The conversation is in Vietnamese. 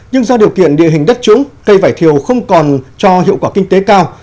nhưng do điều kiện địa hình đất trũng cây vải thiều không còn cho hiệu quả kinh tế cao